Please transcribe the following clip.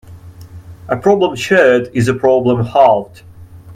A problem shared is a problem halved.